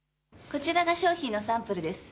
こちらが商品のサンプルです。